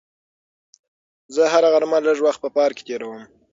زه هره غرمه لږ وخت په پارک کې تېروم.